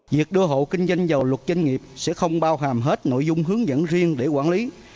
việc đưa hộ kinh doanh vào luật doanh nghiệp sẽ không bao hàm hết nội dung hướng dẫn riêng để quản lý